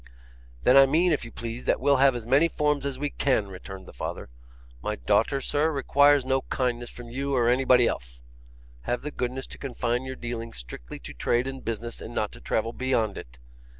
'Then I mean, if you please, that we'll have as many forms as we can, returned the father. 'My daughter, sir, requires no kindness from you or anybody else. Have the goodness to confine your dealings strictly to trade and business, and not to travel beyond it.